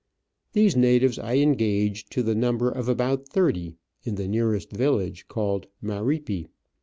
These natives I engaged, to the number of about thirty, in the nearest village, called Maripi.